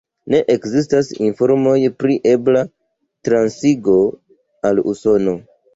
Ne ekzistas informoj pri ebla transigo al Usono.